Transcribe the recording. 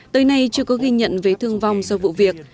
tới nay chưa có ghi nhận về thương vong sau vụ việc